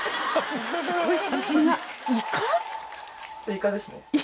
イカですね。